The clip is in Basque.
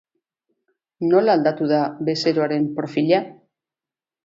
Nola aldatu da bezeroaren profila?